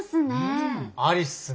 うん。ありっすね。